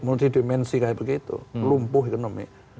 multidimensi kayak begitu lumpuh ekonomi